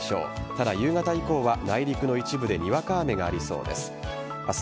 ただ、夕方以降は内陸の一部でにわか雨がありそうです。